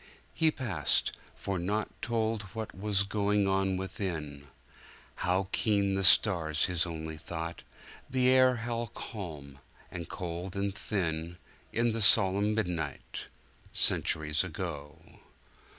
He passed—for naught Told what was going on within:How keen the stars, his only thought— The air how calm, and cold and thin In the solemn midnight, Centuries ago!